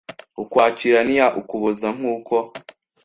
Ukwakira n iya Ukuboza nk uko